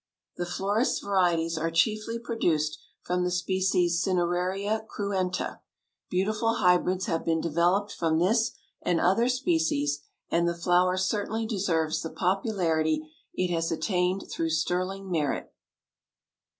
The florist's varieties are chiefly produced from the species Cineraria cruenta. Beautiful hybrids have been developed from this and other species, and the flower certainly deserves the popularity it has attained through sterling merit.